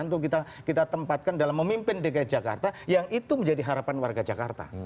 tiga fungsi yang ada di dki jakarta itu kita tempatkan dalam memimpin dki jakarta yang itu menjadi harapan warga jakarta